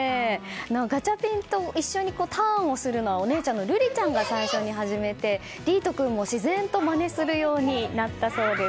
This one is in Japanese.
ガチャピンと一緒にターンをするのはお姉ちゃんの瑠梨ちゃんが最初に始めて、凛人君も自然とまねするようになったそうです。